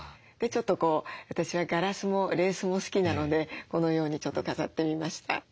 でちょっと私はガラスもレースも好きなのでこのようにちょっと飾ってみました。